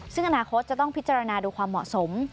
ซึ่งอนาคตจะต้องพิจารณาดูความเหมาะสม